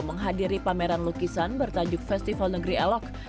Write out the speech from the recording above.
menghadiri pameran lukisan bertajuk festival negeri elok